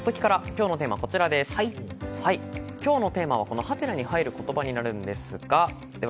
今日のテーマは？に入る言葉になるんですがで